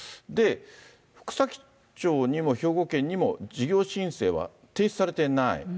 福崎町にも兵庫県にも事業申請は提出されてない。